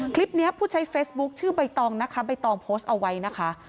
ผู้ใช้เฟซบุ๊คชื่อใบตองนะคะใบตองโพสต์เอาไว้นะคะ